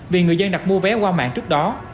vì người dân đặt mua vé qua mạng trước đó